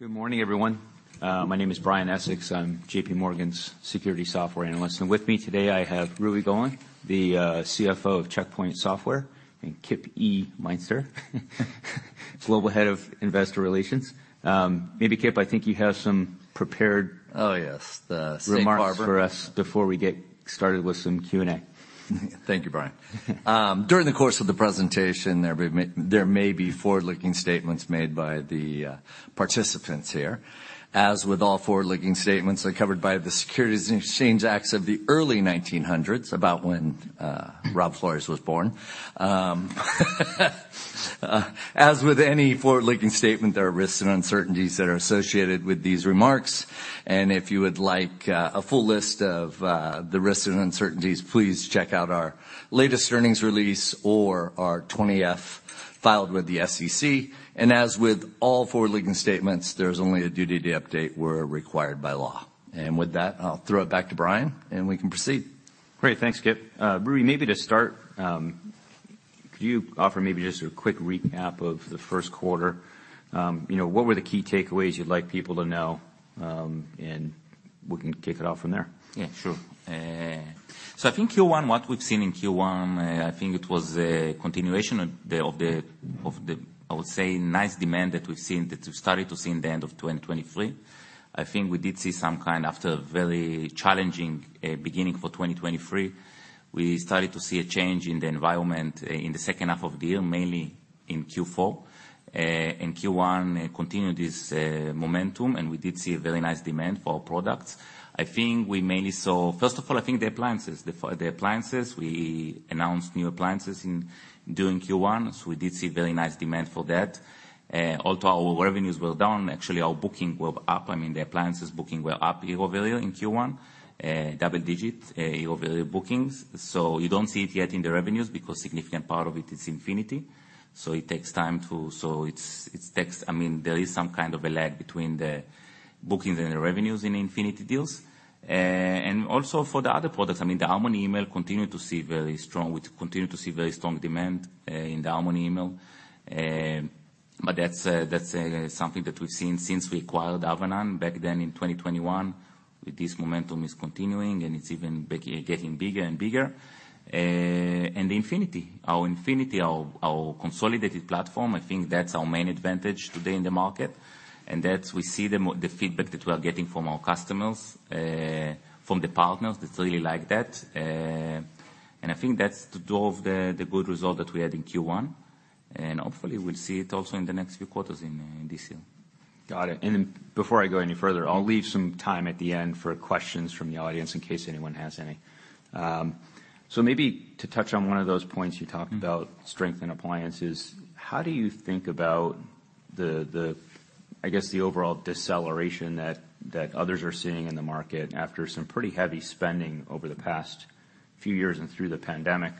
Good morning, everyone. My name is Brian Essex. I'm J.P. Morgan's Security Software analyst, and with me today, I have Roei Golan, the CFO of Check Point Software, and Kip E. Meintzer Global Head of Investor Relations. Maybe, Kip, I think you have some prepared. Oh, yes, the Safe Harbor. Remarks for us before we get started with some Q&A. Thank you, Brian. During the course of the presentation, there may be forward-looking statements made by the participants here. As with all forward-looking statements, they're covered by the Securities and Exchange Acts of the early 1900s, about when Rob Flores was born. As with any forward-looking statement, there are risks and uncertainties that are associated with these remarks, and if you would like a full list of the risks and uncertainties, please check out our latest earnings release or our 20-F filed with the SEC. And as with all forward-looking statements, there's only a duty to update were required by law. And with that, I'll throw it back to Brian, and we can proceed. Great, thanks, Kip. Roei, maybe to start, could you offer maybe just a quick recap of the first quarter? You know, what were the key takeaways you'd like people to know, and we can kick it off from there. Yeah, sure. So I think Q1, what we've seen in Q1, I think it was a continuation of the, I would say, nice demand that we've seen, that we started to see in the end of 2023. I think we did see some kind after a very challenging beginning for 2023. We started to see a change in the environment in the second half of the year, mainly in Q4. And Q1 continued this momentum, and we did see a very nice demand for our products. I think we mainly saw. First of all, I think the appliances, the appliances, we announced new appliances in during Q1, so we did see very nice demand for that. Although our revenues were down, actually our booking were up. I mean, the appliances booking were up year over year in Q1, double-digit, year over year bookings. So you don't see it yet in the revenues, because significant part of it is Infinity, so it takes time to. So it takes- I mean, there is some kind of a lag between the bookings and the revenues in Infinity deals. And also for the other products, I mean, the Harmony Email continued to see very strong, we continue to see very strong demand, in the Harmony Email. But that's, that's, something that we've seen since we acquired Avanan back then in 2021. This momentum is continuing, and it's even getting bigger and bigger. And Infinity, our Infinity, our consolidated platform, I think that's our main advantage today in the market, and that's what we see the feedback that we are getting from our customers, from the partners. They really like that. And I think that's what drove the good result that we had in Q1, and hopefully we'll see it also in the next few quarters in this year. Got it. And then before I go any further, I'll leave some time at the end for questions from the audience, in case anyone has any. So maybe to touch on one of those points, you talked about strength and appliances, how do you think about the, I guess, the overall deceleration that others are seeing in the market after some pretty heavy spending over the past few years and through the pandemic?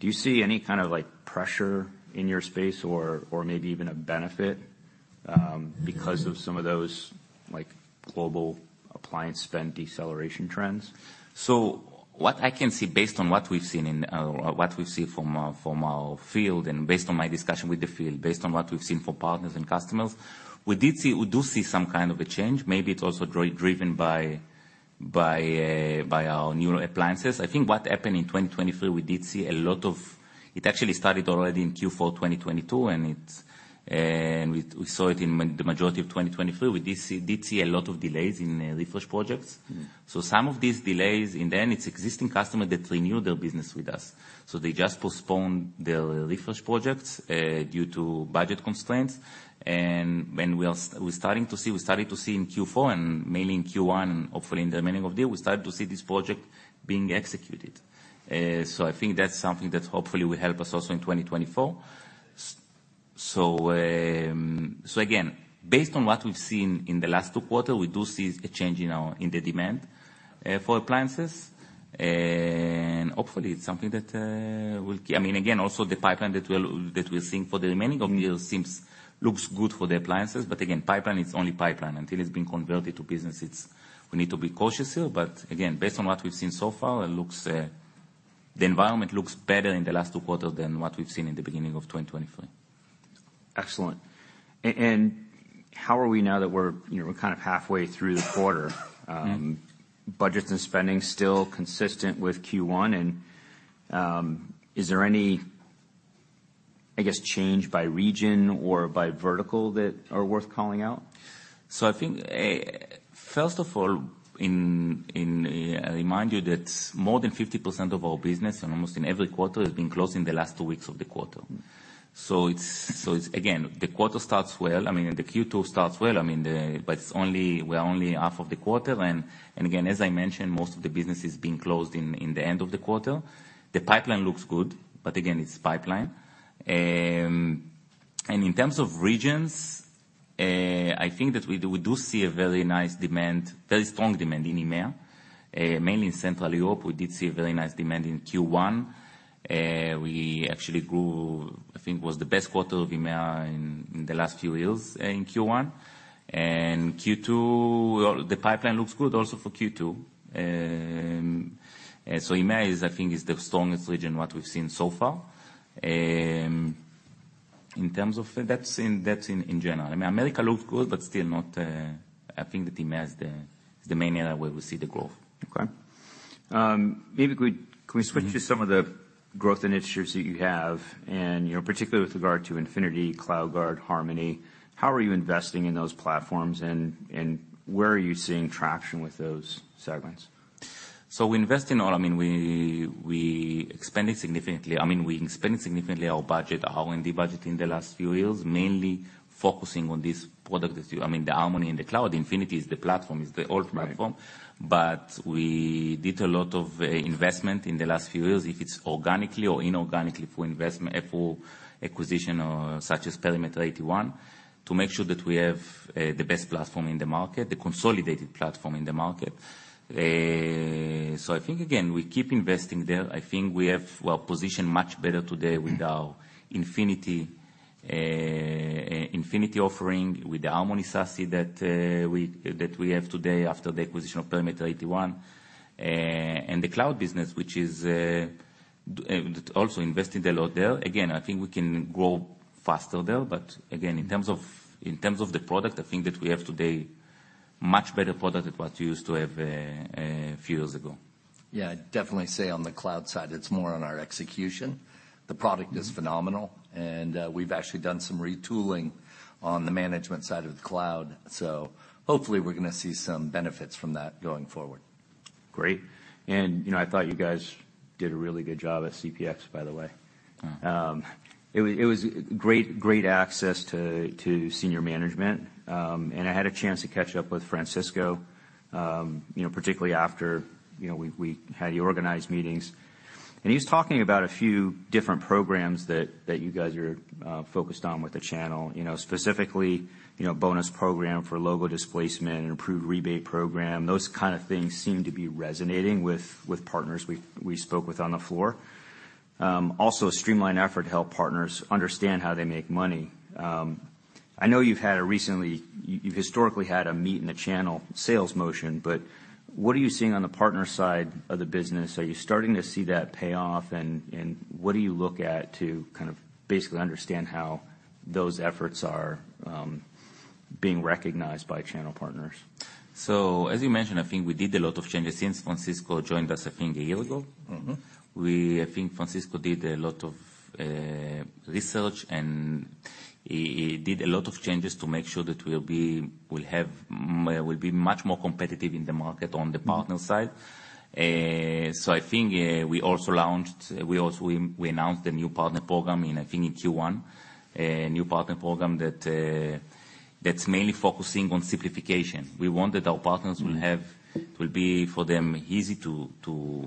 Do you see any kind of, like, pressure in your space or maybe even a benefit? Because of some of those, like, global appliance spend deceleration trends? So what I can see based on what we've seen in what we see from our from our field and based on my discussion with the field based on what we've seen from partners and customers we do see some kind of a change. Maybe it's also driven by by our newer appliances. I think what happened in 2023 we did see a lot of. It actually started already in Q4 2022 and we saw it in the majority of 2023. We did see a lot of delays in refresh projects. So some of these delays, and then it's existing customer that renew their business with us. So they just postponed their refresh projects due to budget constraints, and we are, we're starting to see, we started to see in Q4 and mainly in Q1, hopefully in the remaining of the year, we started to see this project being executed. So I think that's something that hopefully will help us also in 2024. So again, based on what we've seen in the last two quarter, we do see a change in our, in the demand for appliances. And hopefully, it's something that will I mean, again, also the pipeline that will, that we're seeing for the remaining of the year seems, looks good for the appliances, but again, pipeline is only pipeline. Until it's been converted to business, it's we need to be cautious here, but again, based on what we've seen so far, it looks, the environment looks better in the last two quarters than what we've seen in the beginning of 2023. Excellent. And how are we now that we're, you know, we're kind of halfway through the quarter? Budgets and spending still consistent with Q1, and, is there any, I guess, change by region or by vertical that are worth calling out? So I think, first of all, I remind you that more than 50% of our business and almost in every quarter has been closed in the last two weeks of the quarter. So it's again, the quarter starts well. I mean, the Q2 starts well, I mean. but it's only we're only half of the quarter then. And again, as I mentioned, most of the business is being closed in the end of the quarter. The pipeline looks good, but again, it's pipeline. And in terms of regions, I think that we see a very nice demand, very strong demand in EMEA, mainly in Central Europe. We did see a very nice demand in Q1, we actually grew, I think, was the best quarter of EMEA in the last few years in Q1. And Q2, the pipeline looks good also for Q2. And so EMEA is, I think, the strongest region what we've seen so far. In terms of, that's in general. I mean, America looks good, but still not, I think that EMEA is the main area where we see the growth. Okay. Maybe can we switch to some of the growth initiatives that you have and, you know, particularly with regard to Infinity, CloudGuard, Harmony, how are you investing in those platforms and where are you seeing traction with those segments? So we invest in all. I mean, we expanded significantly. I mean, we expanded significantly our budget, our R&D budget in the last few years, mainly focusing on this product. I mean, the Harmony and the Cloud, Infinity is the platform, is the old platform. Right. But we did a lot of investment in the last few years. If it's organically or inorganically for investment, for acquisition or such as Perimeter 81, to make sure that we have the best platform in the market, the consolidated platform in the market. So I think, again, we keep investing there. I think we have well positioned much better today with our Infinity Infinity offering, with the Harmony SASE that we, that we have today after the acquisition of Perimeter 81. And the cloud business, which is also invested a lot there. Again, I think we can grow faster there, but again, in terms of, in terms of the product, I think that we have today much better product than what we used to have few years ago. Yeah, I'd definitely say on the cloud side, it's more on our execution. The product is phenomenal, and we've actually done some retooling on the management side of the cloud, so hopefully we're going to see some benefits from that going forward. Great. You know, I thought you guys did a really good job at CPX, by the way. It was great access to senior management. And I had a chance to catch up with Francisco, you know, particularly after, you know, we had you organize meetings. And he was talking about a few different programs that you guys are focused on with the channel. You know, specifically, you know, bonus program for logo displacement and improved rebate program. Those kind of things seem to be resonating with partners we spoke with on the floor. Also a streamlined effort to help partners understand how they make money. I know you've historically had a heavy in the channel sales motion, but what are you seeing on the partner side of the business? Are you starting to see that pay off, and, and what do you look at to kind of basically understand how those efforts are being recognized by channel partners? As you mentioned, I think we did a lot of changes since Francisco joined us, I think, a year ago. I think Francisco did a lot of research, and he did a lot of changes to make sure that we'll be much more competitive in the market on the partner side. So I think we also announced a new partner program in, I think, in Q1. A new partner program that's mainly focusing on simplification. We want that our partners will have, will be for them, easy to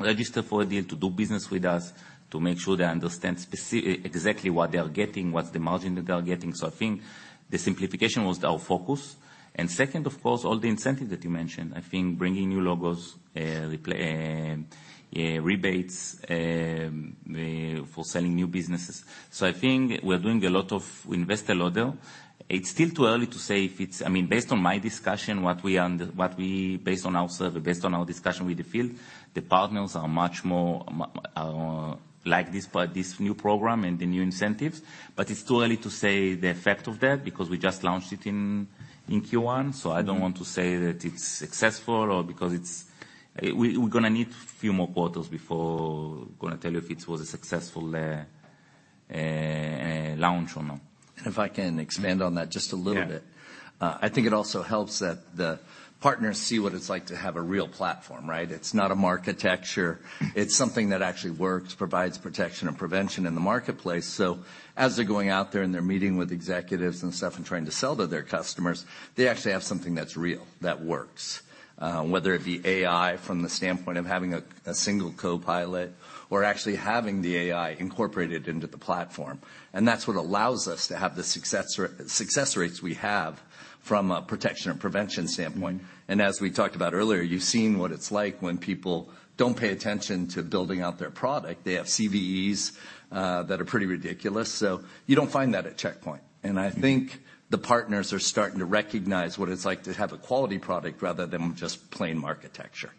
register for a deal, to do business with us, to make sure they understand exactly what they are getting, what's the margin that they are getting. So I think the simplification was our focus, and second, of course, all the incentives that you mentioned. I think bringing new logos, rebates for selling new businesses. So I think we're doing a lot of... We invest a lot there. It's still too early to say if it's. I mean, based on my discussion, what we, based on our survey, based on our discussion with the field, the partners are much more like this part, this new program and the new incentives. But it's too early to say the effect of that because we just launched it in Q1. So I don't want to say that it's successful or because it's, we're gonna need few more quarters before I'm gonna tell you if it was a successful launch or not. If I can expand on that just a little bit. Yeah. I think it also helps that the partners see what it's like to have a real platform, right? It's not a marketecture. It's something that actually works, provides protection and prevention in the marketplace. So as they're going out there and they're meeting with executives and stuff and trying to sell to their customers, they actually have something that's real, that works. Whether it be AI from the standpoint of having a single copilot or actually having the AI incorporated into the platform, and that's what allows us to have the success or success rates we have from a protection and prevention standpoint. And as we talked about earlier, you've seen what it's like when people don't pay attention to building out their product. They have CVEs that are pretty ridiculous. So you don't find that at Check Point. I think the partners are starting to recognize what it's like to have a quality product rather than just plain Marketecture.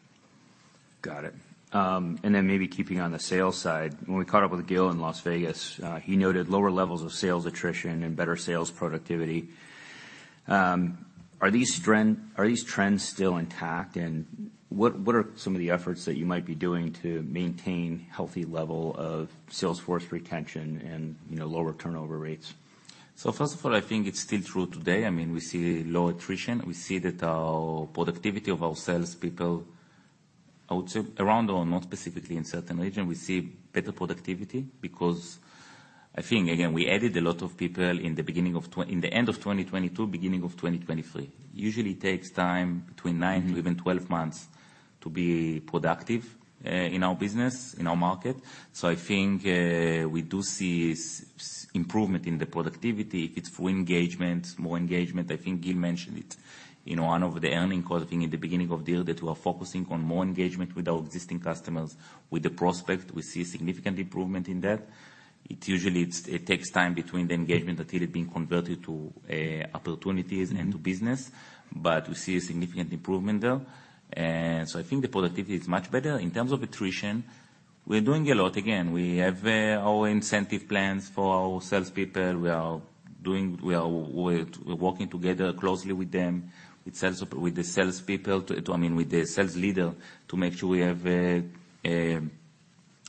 Got it. And then maybe keeping on the sales side. When we caught up with Gil in Las Vegas, he noted lower levels of sales attrition and better sales productivity. Are these trend, are these trends still intact? And what, what are some of the efforts that you might be doing to maintain healthy level of sales force retention and, you know, lower turnover rates? So first of all, I think it's still true today. I mean, we see low attrition. We see that our productivity of our sales people, I would say, around or not specifically in certain region, we see better productivity because I think, again, we added a lot of people in the end of 2022, beginning of 2023. Usually, it takes time, between nine even 12 months to be productive in our business, in our market. So I think we do see improvement in the productivity. It's full engagement, more engagement. I think Gil mentioned it in one of the earnings call, I think, in the beginning of the year, that we are focusing on more engagement with our existing customers, with the prospect. We see a significant improvement in that. It usually takes time between the engagement until it being converted to opportunities and to business, but we see a significant improvement there. And so I think the productivity is much better. In terms of attrition. We're doing a lot. Again, we have our incentive plans for our salespeople. We are doing. We are working together closely with them, with sales, with the salespeople, to, I mean, with the sales leader, to make sure we have a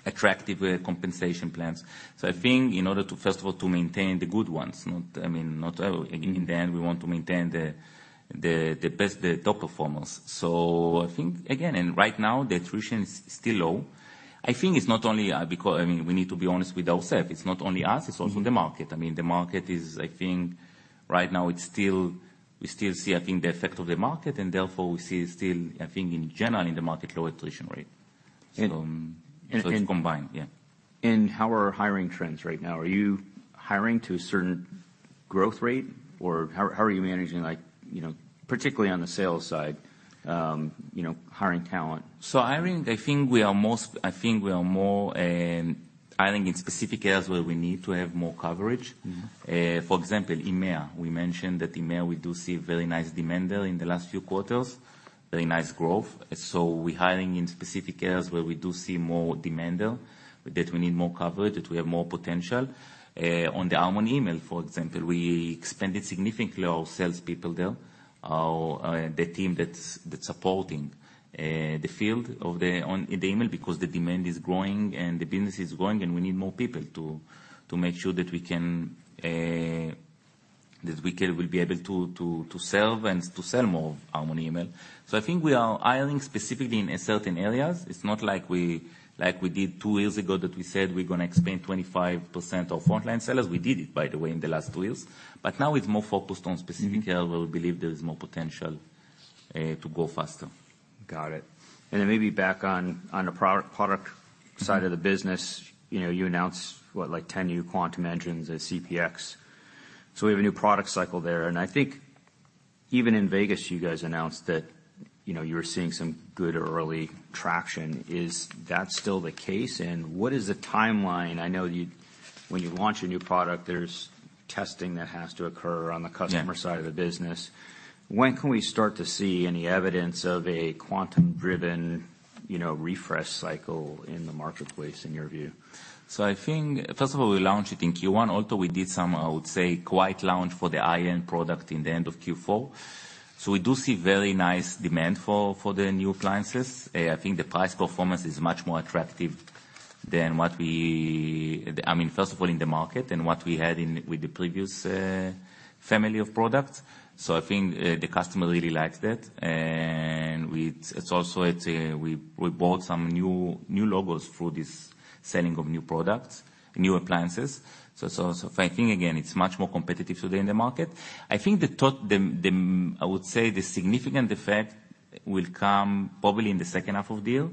attractive compensation plans. So I think in order to, first of all, to maintain the good ones, not I mean, not all. In the end, we want to maintain the best, the top performers. So I think again, and right now, the attrition is still low. I think it's not only because, I mean, we need to be honest with ourselves. It's not only us, it's also the market. I mean, the market is, I think right now it's still, we still see, I think, the effect of the market, and therefore, we see still, I think, in general, in the market, low attrition rate. So it's combined. Yeah. How are hiring trends right now? Are you hiring to a certain growth rate, or how are you managing, like, you know, particularly on the sales side, you know, hiring talent? Hiring, I think we are more hiring in specific areas where we need to have more coverage. For example, EMEA. We mentioned that EMEA, we do see very nice demand there in the last few quarters, very nice growth. So we're hiring in specific areas where we do see more demand there, that we need more coverage, that we have more potential. On the Harmony Email, for example, we expanded significantly our salespeople there. Our the team that's supporting the field of the, on the email, because the demand is growing and the business is growing, and we need more people to make sure that we can that we can, we'll be able to to serve and to sell more of Harmony Email. So I think we are hiring specifically in certain areas. It's not like we like we did two years ago, that we said we're gonna expand 25% of frontline sellers. We did it, by the way, in the last two years, but now it's more focused on specific areas where we believe there is more potential to grow faster. Got it. And then maybe back on the product side of the business, you know, you announced, what? Like 10 new Quantum engines at CPX. So we have a new product cycle there, and I think even in Vegas, you guys announced that, you know, you were seeing some good early traction. Is that still the case, and what is the timeline? I know you, when you launch a new product, there's testing that has to occur on the customer side of the business. When can we start to see any evidence of a Quantum-driven, you know, refresh cycle in the marketplace, in your view? So I think, first of all, we launched it in Q1, although we did some, I would say, quiet launch for the high-end product in the end of Q4. So we do see very nice demand for the new appliances. I think the price performance is much more attractive than what we, I mean, first of all, in the market and what we had in with the previous family of products. So I think the customer really likes that, and it's also we bought some new logos through this selling of new products, new appliances. So I think, again, it's much more competitive today in the market. I think, I would say, the significant effect will come probably in the second half of the year,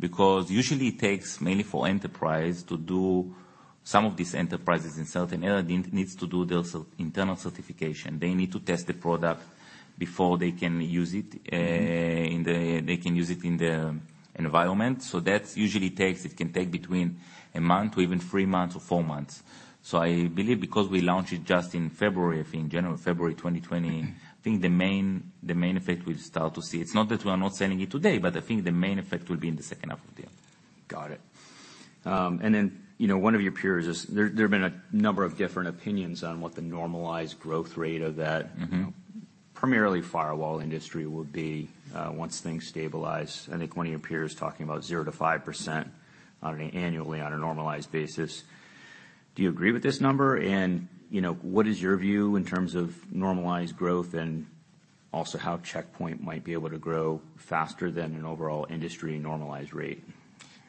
because usually it takes mainly for enterprise to do some of these enterprises in certain areas, needs to do their certain internal certification. They need to test the product before they can use it in the, they can use it in the environment. So that usually takes, it can take between a month to even three months or four months. So I believe because we launched it just in February, I think January, February 2020, I think the main effect we'll start to see. It's not that we are not selling it today, but I think the main effect will be in the second half of the year. Got it. And then, you know, one of your peers is, there have been a number of different opinions on what the normalized growth rate of that primarily firewall industry will be once things stabilize. I think one of your peers talking about 0%-5% on an annual basis. Do you agree with this number? You know, what is your view in terms of normalized growth and also how Check Point might be able to grow faster than an overall industry normalized rate?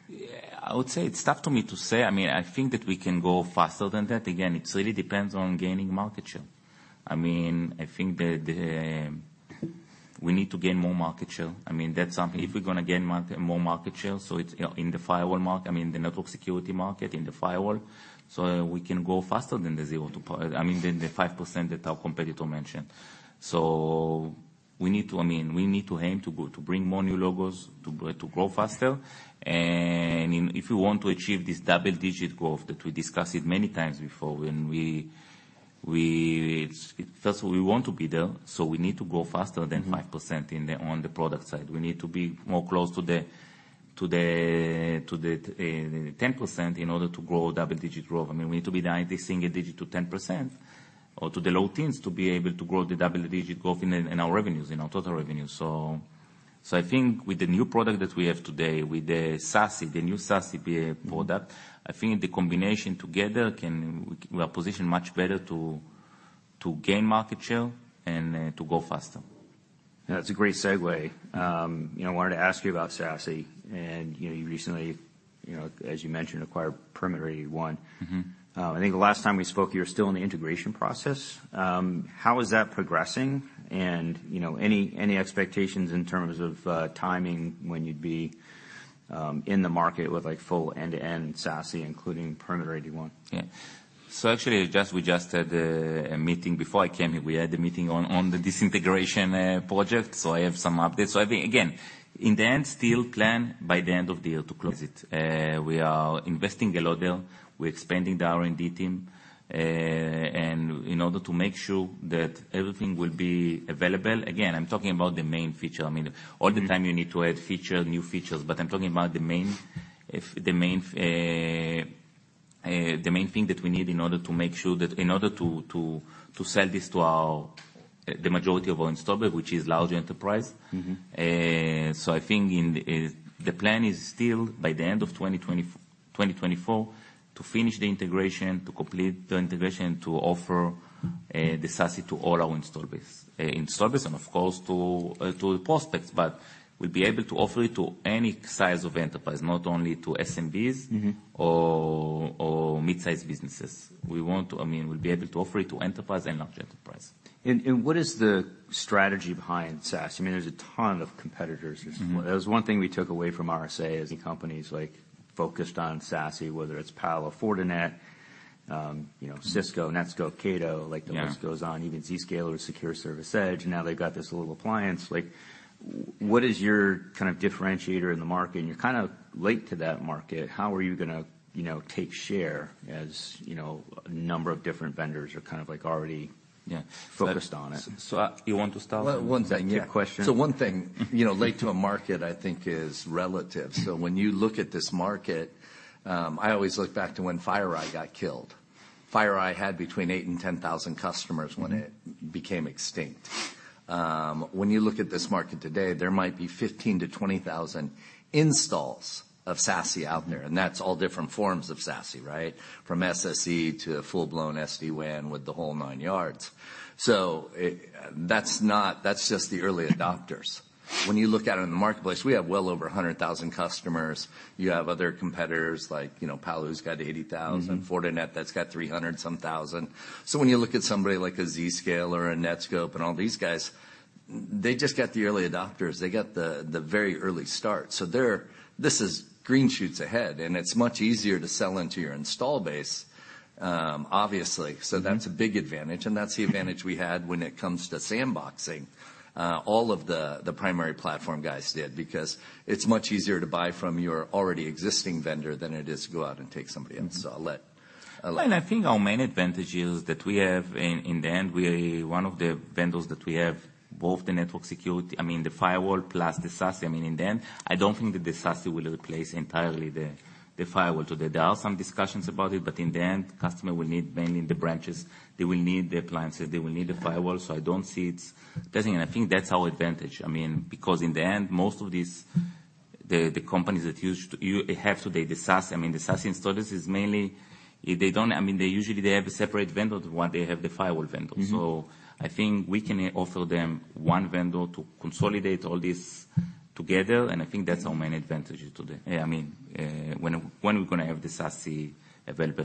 I would say it's tough to me to say. I mean, I think that we can go faster than that. Again, it really depends on gaining market share. I mean, I think we need to gain more market share. I mean, that's something. If we're gonna gain market, more market share, so it's in the firewall market, I mean, the network security market, in the firewall, so we can grow faster than the five percent that our competitor mentioned. So we need to, I mean, we need to aim to grow, to bring more new logos, to grow, to grow faster. And if we want to achieve this double-digit growth that we discussed it many times before, when we, we, first, we want to be there, so we need to grow faster than 5% in the, on the product side. We need to be more close to the, to the ten percent in order to grow double-digit growth. I mean, we need to be the single digit to 10% or to the low teens to be able to grow the double-digit growth in our, in our revenues, in our total revenues. So, so I think with the new product that we have today, with the SASE, the new SASE product, I think the combination together can, we are positioned much better to, to gain market share and, to grow faster. That's a great segue. You know, I wanted to ask you about SASE, and you know, you recently, you know, as you mentioned, acquired Perimeter 81. I think the last time we spoke, you were still in the integration process. How is that progressing? And, you know, any expectations in terms of timing, when you'd be in the market with a full end-to-end SASE, including Perimeter 81? Yeah. So actually, we just had a meeting before I came here. We had a meeting on the disintegration project, so I have some updates. So I think, again, in the end, still plan by the end of the year to close it. We are investing a lot there. We're expanding the R&D team, and in order to make sure that everything will be available. Again, I'm talking about the main feature. I mean, all the time you need to add feature, new features, but I'm talking about the main thing that we need in order to make sure that in order to sell this to our, the majority of our install base, which is large enterprise. So I think in the plan is still by the end of 2024, to finish the integration, to complete the integration, to offer the SASE to all our install base, install base and of course, to the prospects. But we'll be able to offer it to any size of enterprise, not only to SMBs or mid-sized businesses. We want to, I mean, we'll be able to offer it to enterprise and large enterprise. And what is the strategy behind SASE? I mean, there's a ton of competitors. That was one thing we took away from RSA, is the companies like focused on SASE, whether it's Palo, Fortinet, you know, Cisco, Netskope, Cato like, the list goes on. Even Zscaler, Security Service Edge, now they've got this little appliance. Like, what is your kind of differentiator in the market? And you're kind of late to that market. How are you gonna, you know, take share, as, you know, a number of different vendors are kind of like already focused on it? So, you want to start? Well, one thing. Yeah. So one thing, you know, late to a market, I think, is relative. So when you look at this market, I always look back to when FireEye got killed. FireEye had between eight and 10 thousand customers when it became extinct. When you look at this market today, there might be 15,000-20,000 installs of SASE out there, and that's all different forms of SASE, right? From SSE to a full-blown SD-WAN with the whole nine yards. So, that's just the early adopters. When you look out in the marketplace, we have well over 100,000 customers. You have other competitors like, you know, Palo, who's got 80,000 Fortinet, that's got 300-some thousand. So when you look at somebody like a Zscaler or a Netskope and all these guys, they just got the early adopters. They got the very early start. So they're, this is green shoots ahead, and it's much easier to sell into your install base, obviously. So that's a big advantage, and that's the advantage we had when it comes to sandboxing. All of the primary platform guys did, because it's much easier to buy from your already existing vendor than it is to go out and take somebody else. So I'll let. And I think our main advantage is that we have, in the end, we are one of the vendors that we have both the network security. I mean, the firewall plus the SASE. I mean, in the end, I don't think that the SASE will replace entirely the firewall today. There are some discussions about it, but in the end, customer will need mainly the branches. They will need the appliances, they will need the firewall, so I don't see it doesn't. And I think that's our advantage. I mean, because in the end, most of these, the companies that use to have today, the SAS, I mean, the SASE install base is mainly, if they don't. I mean, they usually they have a separate vendor to what they have, the firewall vendor. So I think we can offer them one vendor to consolidate all this together, and I think that's our main advantage today. Yeah, I mean, when we're gonna have the SASE available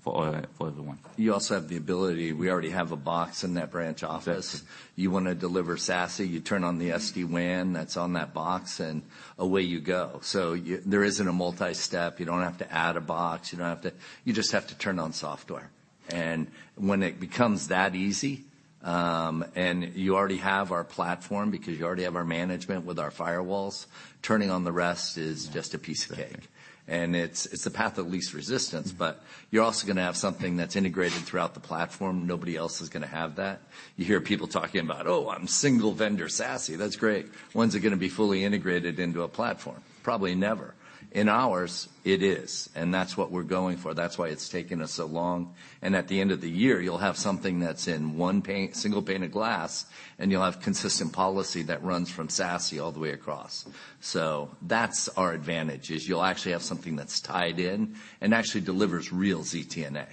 for everyone. You also have the ability, we already have a box in that branch office. Yes. You wanna deliver SASE, you turn on the SD-WAN that's on that box, and away you go. So there isn't a multi-step. You don't have to add a box. You don't have to, you just have to turn on software. And when it becomes that easy, and you already have our platform because you already have our management with our firewalls, turning on the rest is just a piece of cake. And it's the path of least resistance, but you're also gonna have something that's integrated throughout the platform. Nobody else is gonna have that. You hear people talking about, "Oh, I'm single vendor SASE." That's great. When's it gonna be fully integrated into a platform? Probably never. In ours, it is, and that's what we're going for. That's why it's taken us so long, and at the end of the year, you'll have something that's in one pane, single pane of glass, and you'll have consistent policy that runs from SASE all the way across. So that's our advantage, is you'll actually have something that's tied in and actually delivers real ZTNA.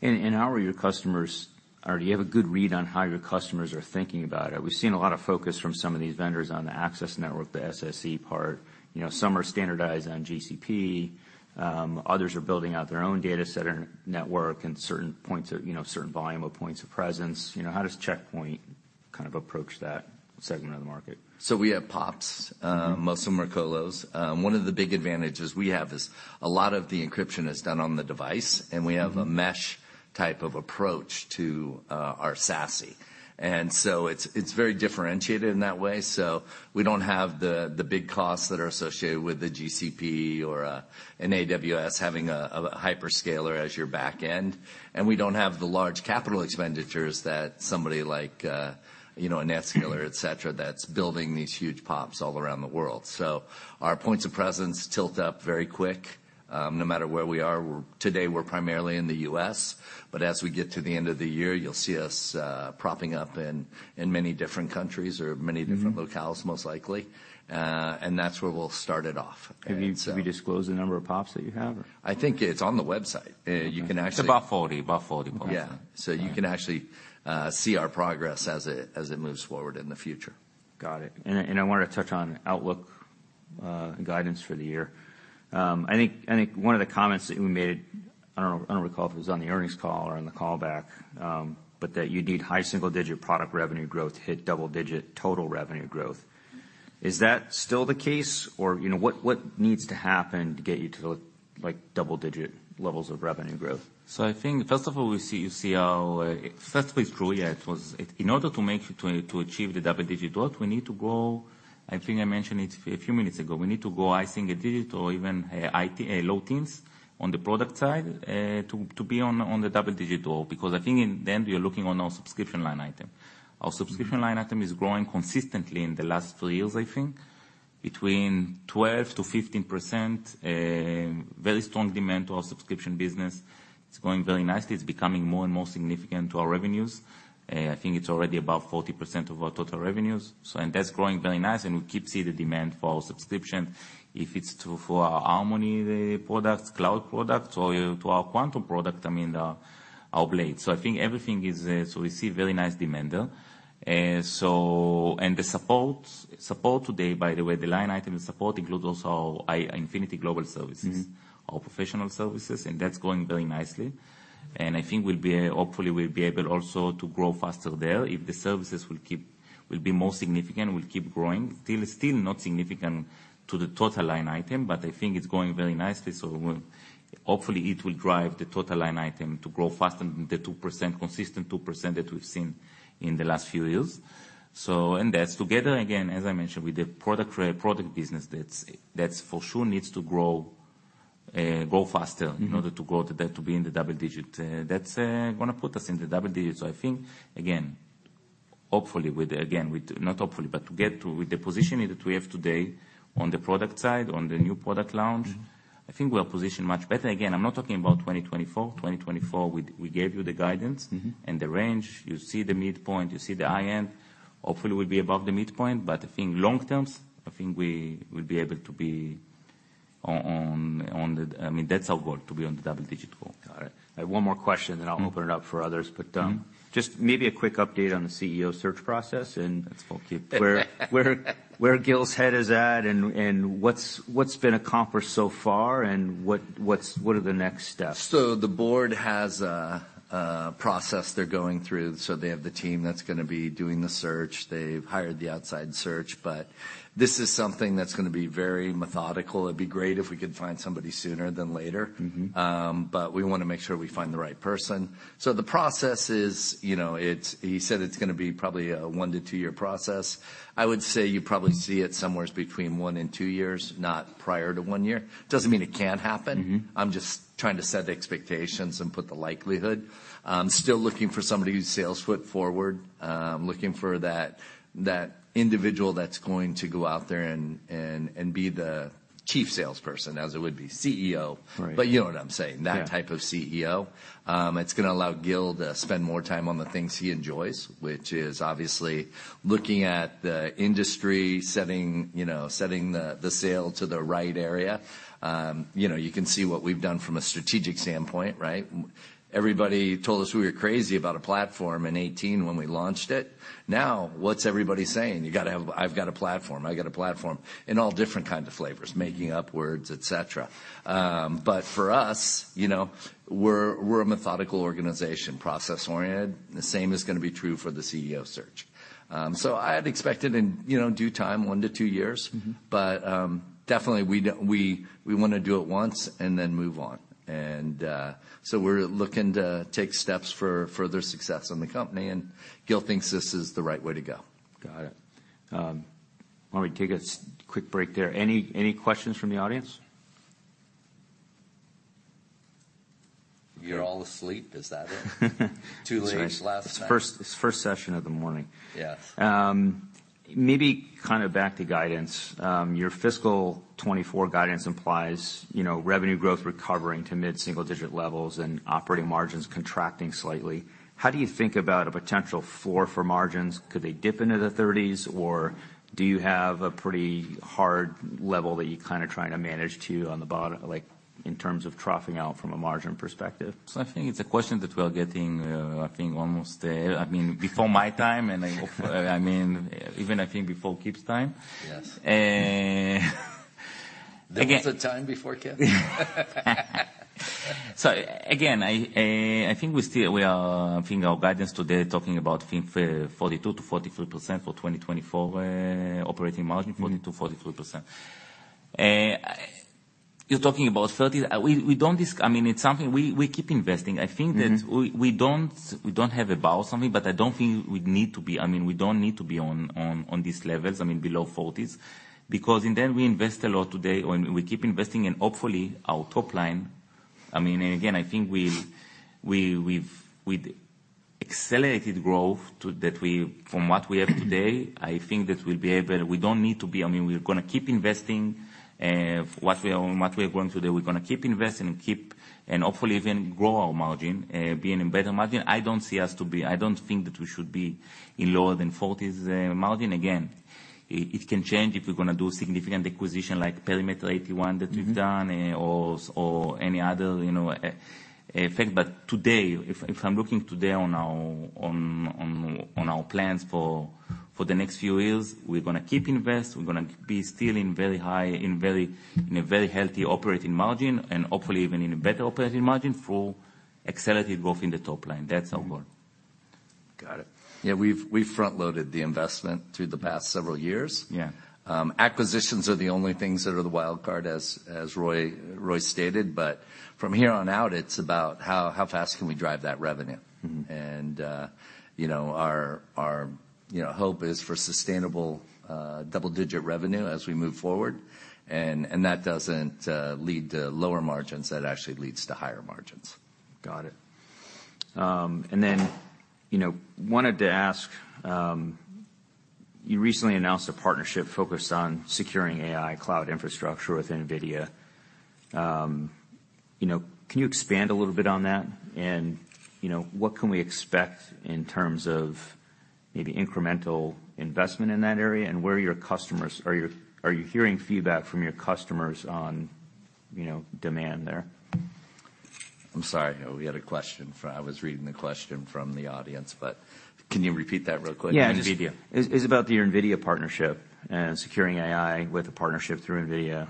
How are your customers, or do you have a good read on how your customers are thinking about it? We've seen a lot of focus from some of these vendors on the access network, the SSE part. You know, some are standardized on GCP, others are building out their own data center network and certain points of, you know, certain volume of points of presence. You know, how does Check Point kind of approach that segment of the market? So we have POPs, most of them are colos. One of the big advantages we have is a lot of the encryption is done on the device and we have a mesh type of approach to our SASE. And so it's very differentiated in that way. So we don't have the big costs that are associated with the GCP or an AWS having a hyperscaler as your back end. And we don't have the large capital expenditures that somebody like, you know, a NetScaler, et cetera, that's building these huge POPs all around the world. So our points of presence lit up very quick, no matter where we are. Today, we're primarily in the U.S., but as we get to the end of the year, you'll see us popping up in many different countries or many different locales, most likely. That's where we'll start it off. And so. Have you disclosed the number of POPs that you have, or? I think it's on the website. You can actually. It's about 40, about 40 POPs. Yeah. All right. You can actually see our progress as it moves forward in the future. Got it. And I wanted to touch on outlook, guidance for the year. I think one of the comments that we made, I don't recall if it was on the earnings call or on the call back, but that you'd need high single-digit product revenue growth to hit double-digit total revenue growth. Is that still the case, or you know, what needs to happen to get you to, like, double-digit levels of revenue growth? So, I think first of all, in order to make it, to achieve the double-digit growth, we need to go. I think I mentioned it a few minutes ago. We need to go high single-digit or even low teens on the product side, to be on the double-digit overall. Because I think in the end, we are looking at our subscription line item. Our subscription line item is growing consistently in the last three years, I think, between 12%-15%, very strong demand to our subscription business. It's going very nicely. It's becoming more and more significant to our revenues. I think it's already about 40% of our total revenues, so, and that's growing very nice, and we keep seeing the demand for our subscription. If it's to, for our Harmony products, cloud products, or to our Quantum product, I mean, our Blade. So I think everything is. So we see very nice demand there. And so, and the support today, by the way, the line item in support includes also our Infinity Global Services. Our professional services, and that's going very nicely. And I think we'll be, hopefully we'll be able also to grow faster there if the services will keep will be more significant, will keep growing. Still, still not significant to the total line item, but I think it's going very nicely, so we'll hopefully, it will drive the total line item to grow faster than the 2%, consistent 2% that we've seen in the last few years. So and that's together, again, as I mentioned, with the product re- product business, that's, that's for sure needs to grow, grow faster. In order to grow to that, to be in the double digit. That's gonna put us in the double digits. So I think, again, hopefully, with, again, with not hopefully, but to get to with the positioning that we have today on the product side, on the new product launch. I think we are positioned much better. Again, I'm not talking about 2024. 2024, we gave you the guidance the range. You see the midpoint, you see the high end. Hopefully, we'll be above the midpoint, but I think long term, I think we will be able to be on the, I mean, that's our goal, to be on the double-digit goal. Got it. I have one more question, then I'll open it up for others. Just maybe a quick update on the CEO search process, and. That's for Kip. Where Gil's head is at, and what's been accomplished so far, and what are the next steps? So the board has a process they're going through. They have the team that's gonna be doing the search. They've hired the outside search, but this is something that's gonna be very methodical. It'd be great if we could find somebody sooner than later. But we wanna make sure we find the right person. So the process is, you know. He said it's gonna be probably a 1one to two-year process. I would say you probably see it somewhere between one and two years, not prior to one year. Doesn't mean it can't happen. I'm just trying to set the expectations and put the likelihood. Still looking for somebody who's sales foot forward. Looking for that individual that's going to go out there and be the chief salesperson, as it would be, CEO. Right. You know what I'm saying. Yeah. That type of CEO. It's gonna allow Gil to spend more time on the things he enjoys, which is obviously looking at the industry, setting, you know, setting the sail to the right area. You know, you can see what we've done from a strategic standpoint, right? Everybody told us we were crazy about a platform in 2018 when we launched it. Now, what's everybody saying? You gotta have, I've got a platform, I've got a platform, in all different kinds of flavors, making up words, et cetera. But for us, you know, we're a methodical organization, process-oriented. The same is gonna be true for the CEO search. So I'd expect it in, you know, due time, one to two years. But, definitely, we wanna do it once and then move on. And, so we're looking to take steps for further success in the company, and Gil thinks this is the right way to go. Got it. Why don't we take a quick break there? Any, any questions from the audience? You're all asleep, is that it? Too late last night. It's the first session of the morning. Yeah. Maybe kind of back to guidance. Your fiscal 2024 guidance implies, you know, revenue growth recovering to mid-single-digit levels and operating margins contracting slightly. How do you think about a potential floor for margins? Could they dip into the 30s, or do you have a pretty hard level that you're kinda trying to manage to on the bottom, like, in terms of troughing out from a margin perspective? So I think it's a question that we are getting, I think almost, I mean, before my time, and I mean, even I think before Kip's time. Yes. Uh, again. There was a time before Kip? So again, I think we still are thinking our guidance today, talking about 42%-43% for 2024, operating margin, 42%-43%. You're talking about thirties. We don't. I mean, it's something we keep investing. Mm-hmm. I think that we don't have about something, but I don't think we'd need to be. I mean, we don't need to be on these levels, I mean, below 40s. Because in there, we invest a lot today, or we keep investing, and hopefully, our top line. I mean, and again, I think we've accelerated growth to that we from what we have today. I think that we'll be able. We don't need to be. I mean, we're gonna keep investing what we are going today. We're gonna keep investing and keep, and hopefully even grow our margin, being a better margin. I don't see us to be. I don't think that we should be in lower than 40s margin. Again, it can change if we're gonna do a significant acquisition like Perimeter 81 that we've done or any other, you know, effect. But today, if I'm looking today on our plans for the next few years, we're gonna keep invest. We're gonna be still in a very healthy operating margin, and hopefully even in a better operating margin for accelerated growth in the top line. That's our goal. Got it. Yeah, we've front-loaded the investment through the past several years. Yeah. Acquisitions are the only things that are the wild card, as Roei stated, but from here on out, it's about how fast can we drive that revenue? You know, our hope is for sustainable double-digit revenue as we move forward. And that doesn't lead to lower margins, that actually leads to higher margins. Got it. And then, you know, wanted to ask, you recently announced a partnership focused on securing AI cloud infrastructure with NVIDIA. You know, can you expand a little bit on that? And, you know, what can we expect in terms of maybe incremental investment in that area, and where your customers, are you hearing feedback from your customers on, you know, demand there? I'm sorry. We had a question from, I was reading the question from the audience, but can you repeat that real quick, NVIDIA? Yeah. It's about your NVIDIA partnership and securing AI with a partnership through NVIDIA.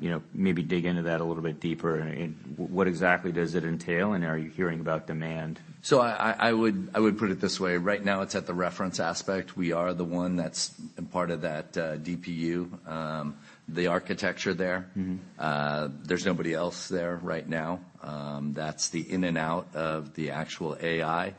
You know, maybe dig into that a little bit deeper, and what exactly does it entail, and are you hearing about demand? So I would put it this way: right now, it's at the reference aspect. We are the one that's part of that, DPU, the architecture there. There's nobody else there right now. That's the in and out of the actual AI.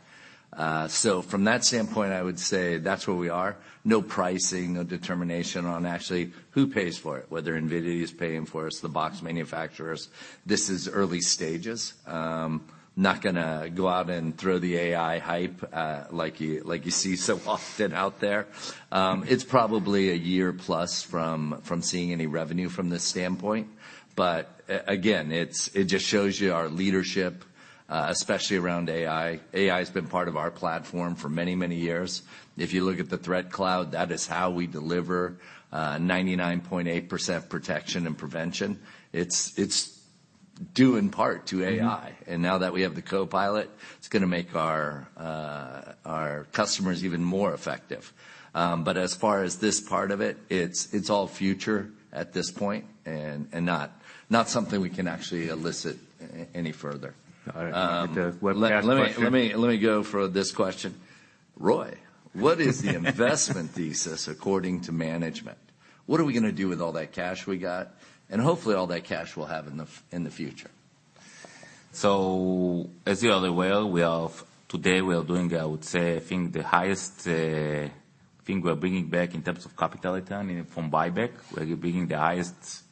So from that standpoint, I would say that's where we are. No pricing, no determination on actually who pays for it, whether NVIDIA is paying for it, the box manufacturers. This is early stages. Not gonna go out and throw the AI hype, like you, like you see so often out there. It's probably a year plus from seeing any revenue from this standpoint, but again, it's it just shows you our leadership, especially around AI. AI has been part of our platform for many, many years. If you look at the ThreatCloud, that is how we deliver 99.8% protection and prevention. It's due in part to AI. And now that we have the copilot, it's gonna make our customers even more effective. But as far as this part of it, it's all future at this point and not something we can actually elicit any further. All right. Webcast question. Let me go for this question. Roei, what is the investment thesis, according to management? What are we gonna do with all that cash we got, and hopefully all that cash we'll have in the future? So as you already well, we are. Today, we are doing, I would say, I think the highest. I think we are bringing back in terms of capital return from buyback. We are bringing the highest.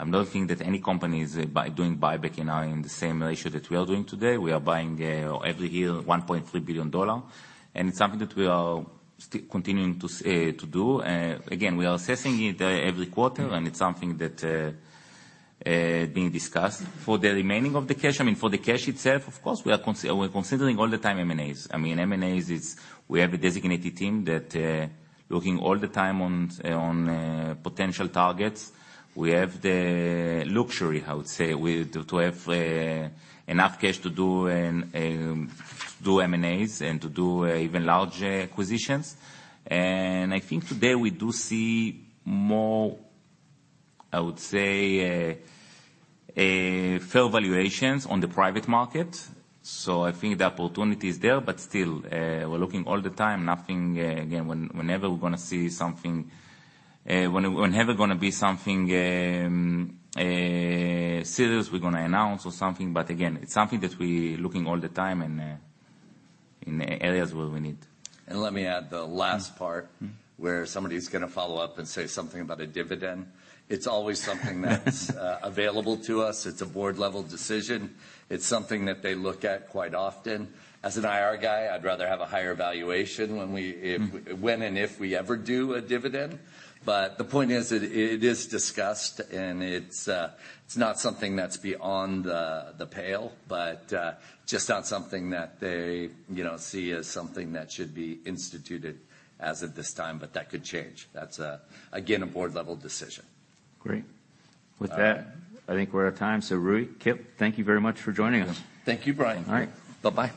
I'm not thinking that any company is doing buyback in our, in the same ratio that we are doing today. We are buying, every year, $1.3 billion, and it's something that we are still continuing to, to do. Again, we are assessing it, every quarter, and it's something that, being discussed. For the remaining of the cash, I mean, for the cash itself, of course, we are considering all the time M&As. I mean, M&As is we have a designated team that, looking all the time on, on, potential targets. We have the luxury, I would say, to have enough cash to do M&As and to do even large acquisitions. And I think today we do see more, I would say, fair valuations on the private market. So I think the opportunity is there, but still, we're looking all the time. Nothing, again, whenever we're gonna see something serious, we're gonna announce or something, but again, it's something that we looking all the time and in the areas where we need. Let me add the last part where somebody's gonna follow up and say something about a dividend. It's always something that's available to us. It's a board-level decision. It's something that they look at quite often. As an IR guy, I'd rather have a higher valuation when we, if when and if we ever do a dividend. But the point is, it is discussed, and it's not something that's beyond the pale, but just not something that they, you know, see as something that should be instituted as of this time, but that could change. That's again a board-level decision. Great. With that, I think we're out of time. So Roei, Kip, thank you very much for joining us. Thank you, Brian. All right. Bye-bye.